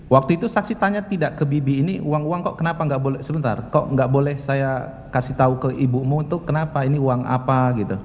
waktu itu saksi tanya tidak ke bibi ini uang uang kok kenapa nggak boleh sebentar kok nggak boleh saya kasih tahu ke ibumu itu kenapa ini uang apa gitu